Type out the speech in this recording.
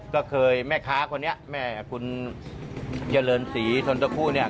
ก็เคยแม่ค้าคนนี้แม่คุณเจริญศรีชนตะคู่เนี่ย